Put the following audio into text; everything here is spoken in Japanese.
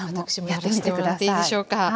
やらしてもらっていいでしょうか。